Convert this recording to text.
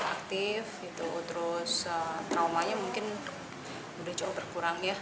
aktif gitu terus traumanya mungkin sudah cukup berkurang ya